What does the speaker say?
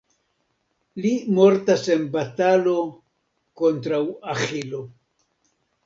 Li mortas en batalo kontraŭ Aĥilo.